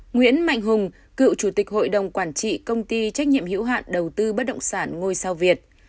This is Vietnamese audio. nguyễn mạnh hùng cựu chủ tịch hội đồng quản trị công ty trách nhiệm hữu hạn đầu tư bất động sản ngôi sao việt